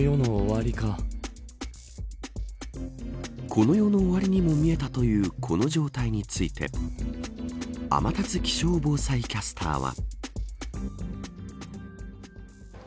この世の終わりにも見えたというこの状態について天達気象防災キャスターは。